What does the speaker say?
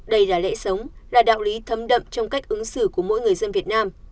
đây là lẽ sống là đạo lý thấm đậm trong cách ứng xử của mỗi người dân việt nam